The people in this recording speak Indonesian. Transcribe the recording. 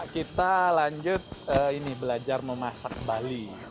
kita lanjut ini belajar memasak bali